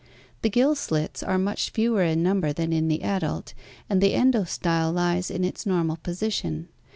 The gill slits are much fewer in number than in the adult and the endo style lies in its normal position.